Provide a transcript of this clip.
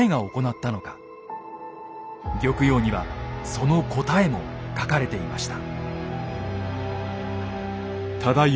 「玉葉」にはその答えも書かれていました。